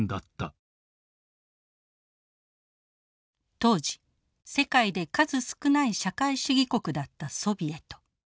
当時世界で数少ない社会主義国だったソビエト。